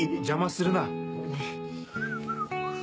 邪魔するな。